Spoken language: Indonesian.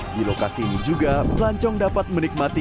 di lokasi ini juga pelancong dapat menikmati